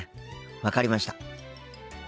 分かりました。